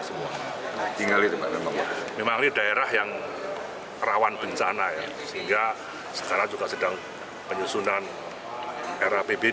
memang ini daerah yang rawan bencana ya sehingga sekarang juga sedang penyusunan era pbd